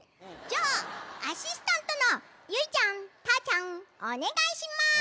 じゃあアシスタントのゆいちゃんたーちゃんおねがいします。